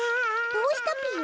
どうしたぴよ？